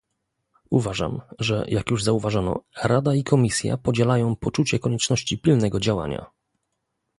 Uważam, że jak już zauważono, Rada i Komisja podzielają poczucie konieczności pilnego działania